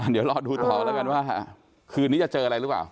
เดี๋ยวรอดูต่อแล้วกันว่าคืนนี้จะเจออะไรหรือเปล่า